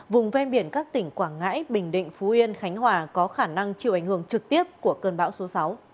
vùng ven biển các tỉnh quảng ngãi bình định phú yên khánh hòa có khả năng chịu ảnh hưởng trực tiếp của cơn bão số sáu